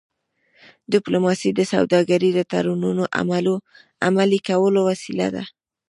ډيپلوماسي د سوداګری د تړونونو عملي کولو وسیله ده.